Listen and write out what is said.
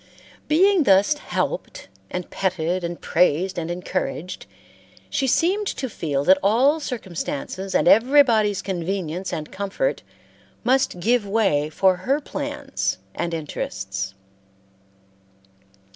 Being thus helped and petted and praised and encouraged she seemed to feel that all circumstances and everybody's convenience and comfort must give way for her plans and interests.